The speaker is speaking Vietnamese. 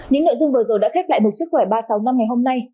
những nội dung vừa rồi đã kết lại một sức khỏe ba trăm sáu mươi năm ngày hôm nay